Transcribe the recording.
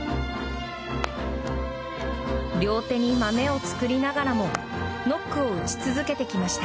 両手にマメを作りながらもノックを打ち続けてきました。